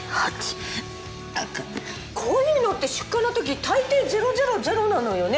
こういうのって出荷の時大抵０００なのよね。